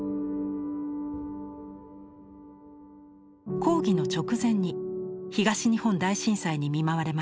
講義の直前に東日本大震災に見舞われました。